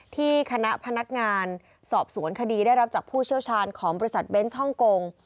ที่คณะพนักงานสอบสวนคดีได้รับจากผู้เชี่ยวชาญของบริษัทเบนส์ฮ่องกง